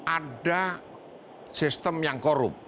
ada sistem yang korup